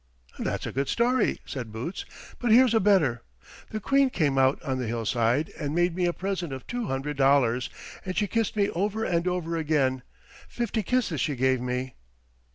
"That's a good story," said Boots, "but here's a better. The Queen came out on the hillside and made me a present of two hundred dollars, and she kissed me over and over again; fifty kisses she gave me."